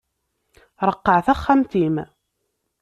Ṛeqqeɛ taxxamt-im!